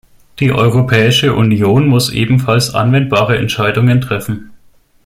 Die Europäische Union muss ebenfalls anwendbare Entscheidungen treffen.